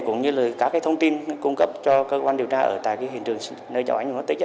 cũng như các thông tin cung cấp cho cơ quan điều tra ở tại hiện trường nơi cháu ánh vụ tích